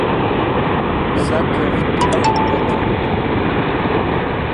Sakẽv tuyẽr potromed.